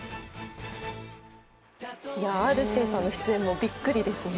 Ｒ−指定さんの出演もびっくりですね。